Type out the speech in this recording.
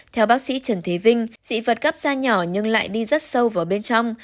theo bác sĩ trần thế vinh dị vật cắp da nhỏ nhưng lại đi rất sâu vào bên trong